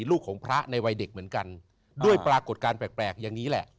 ลูกของพระในวัยเด็กเหมือนกันด้วยปรากฏการณ์แปลกอย่างนี้แหละ